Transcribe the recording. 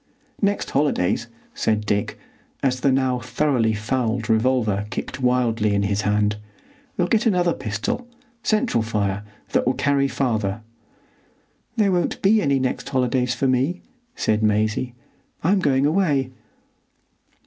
"Next holidays," said Dick, as the now thoroughly fouled revolver kicked wildly in his hand, "we'll get another pistol,—central fire,—that will carry farther." "There won't be any next holidays for me," said Maisie. "I'm going away."